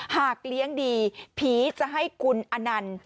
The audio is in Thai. หากเลี้ยงดีผีจะให้คุณอนันต์